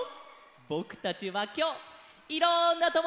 ぼくたちはきょういろんなともだちができたよ！